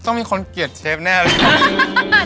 ต้องมีคนเกลียดเชฟแน่เลยครับ